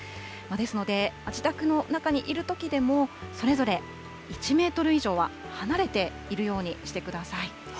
ですので、自宅の中にいるときでも、それぞれ１メートル以上は離れているようにしてください。